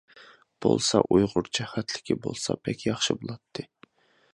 بولسا ئۇيغۇرچە خەتلىكى بولسا بەك ياخشى بولاتتى.